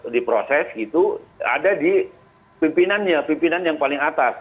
di proses itu ada di pimpinannya pimpinan yang paling atas